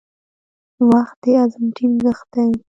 • وخت د عزم ټینګښت دی.